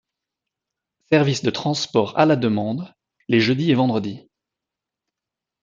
Service de transport à la demande les jeudis et vendredis.